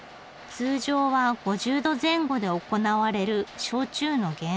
通常は５０度前後で行われる焼酎の減圧蒸留。